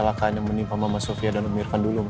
apa ini kecelakaan yang menimpa mama sofia dan umirkan dulu ma